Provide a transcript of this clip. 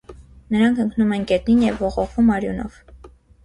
Նրանք ընկնում են գետնին և ողողվում արյունով։